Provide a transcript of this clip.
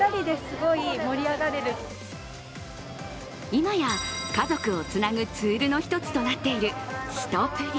今や家族をつなぐツールの一つとなっている、すとぷり。